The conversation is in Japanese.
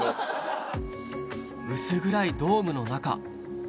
薄暗いドームの中